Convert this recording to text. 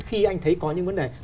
khi anh thấy có những vấn đề